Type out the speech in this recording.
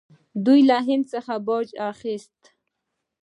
دوی له هند څخه باج اخیست